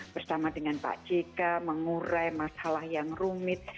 bersama dengan pak jk mengurai masalah yang rumit